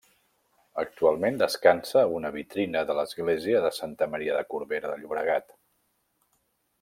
Actualment descansa a una vitrina de l'església de Santa Maria de Corbera de Llobregat.